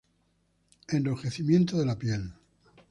Enrojecimiento de la piel.